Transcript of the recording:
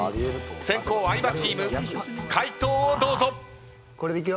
先攻相葉チーム回答をどうぞ。